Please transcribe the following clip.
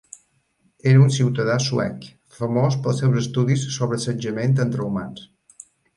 Era un ciutadà suec, famós pels seus estudis sobre assetjament entre humans.